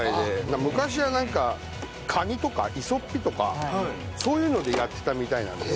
昔はなんかカニとかいそっぴとかそういうのでやってたみたいなんです。